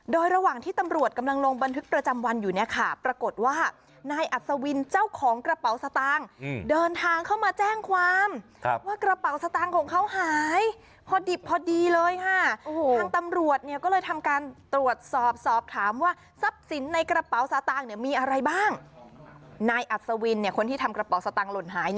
โดยระหว่างที่ตำรวจกำลังลงบันทึกประจำวันอยู่เนี่ยค่ะปรากฏว่านายอัศวินเจ้าของกระเป๋าสตางค์เดินทางเข้ามาแจ้งความว่ากระเป๋าสตางค์ของเขาหายพอดิบพอดีเลยค่ะทางตำรวจเนี่ยก็เลยทำการตรวจสอบสอบถามว่าทรัพย์สินในกระเป๋าสตางค์เนี่ยมีอะไรบ้างนายอัศวินเนี่ยคนที่ทำกระเป๋าสตางคล